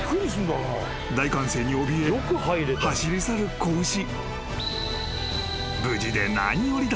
［大歓声におびえ走り去る子牛］